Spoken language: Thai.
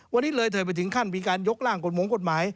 วันนี้เลยเธอไปถึงขั้นมีการยกร่างกฎหมายมงกฎหมาย